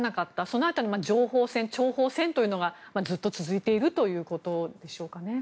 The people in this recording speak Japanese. その辺り情報戦、諜報戦というのがずっと続いているということでしょうかね。